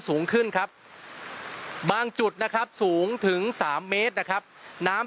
สูงขึ้นครับบางจุดนะครับสูงถึง๓เมตรนะครับน้ำ